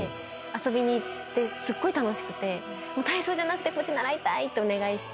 遊びに行ってすっごい楽しくて体操じゃなくてこっち習いたいってお願いして習わせてもらってました。